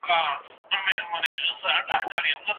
ميرمنې په ټولنه کې د کوم حیثیت له امله د ځان خدمت نشو کولای؟